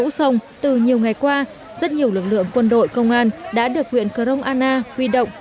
nhưng trong cuộc sống từ nhiều ngày qua rất nhiều lực lượng quân đội công an đã được huyện crong anna huy động